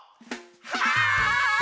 はい！